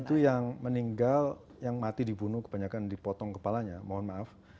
itu yang meninggal yang mati dibunuh kebanyakan dipotong kepalanya mohon maaf